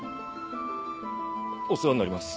お世話になります。